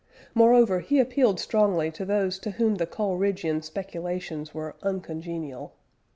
Moreover he appealed strongly to those to whom the Coleridgean speculations were uncongenial.